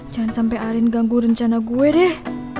jangan sampai arin ganggu rencana gue deh